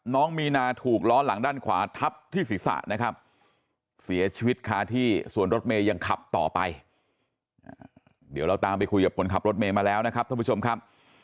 น้องมีนาถูกล้อหลังด้านขวาทับที่ศีรษะนะครับเสียชีวิตคาที่ส่วนรถเมย์ยังขับต่อไปเดี๋ยวเราตามไปคุยกับคนขับรถเมย์มาแล้วนะครับท่านผู้ชมครับ